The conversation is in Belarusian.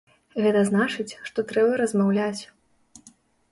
Гэта значыць, што трэба размаўляць.